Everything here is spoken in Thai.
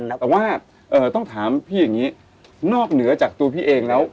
แต่ว่าต้องถามพี่อย่างนี้นอกเหนือจากตัวพี่เองแล้ว